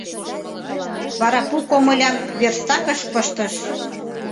Вара пу комылям верстакыш пыштыш.